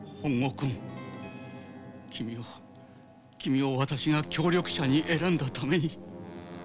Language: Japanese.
君を君を私が協力者に選んだために。